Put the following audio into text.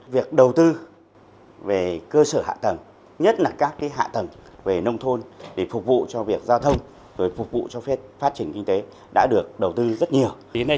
việc đầu tư về cơ sở hạ tầng nhất là các hạ tầng về nông thôn để phục vụ cho việc giao thông phục vụ cho phát triển kinh tế đã được đầu tư rất nhiều